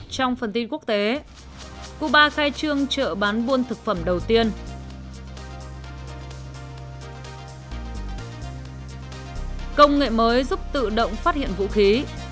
trong phần tin quốc tế cuba khai trương chợ bán buôn thực phẩm đầu tiên công nghệ mới giúp tự động phát hiện vũ khí